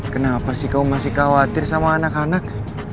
kenapa sih kau masih khawatir sama anak anak